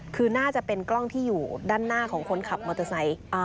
คือน่าจะเป็นกล้องที่อยู่ด้านหน้าของคนขับมอเตอร์ไซค์